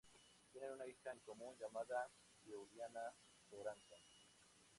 Tiene una hija en común llamada Giuliana Toranzo.